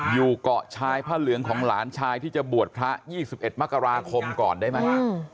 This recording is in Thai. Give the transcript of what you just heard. อยู่เกาะชายผ้าเหลืองของหลานชายที่จะบวชพระ๒๑มกราคมก่อนได้ไหม